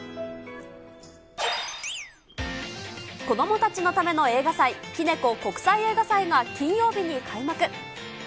子どもたちのための映画祭、キネコ国際映画祭が金曜日に開幕。